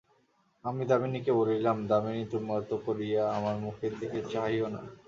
আমি দামিনীকে বলিলাম, দামিনী, তুমি অত করিয়া আমার মুখের দিকে চাহিয়ো না।